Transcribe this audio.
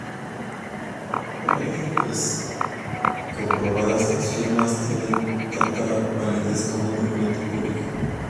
Una vez comprobadas las firmas, tienen tanta validez como un documento público.